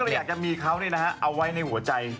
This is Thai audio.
หอมก็เลยอยากจะมีเขาเนี่ยนะฮะเอาไว้ในหัวใจ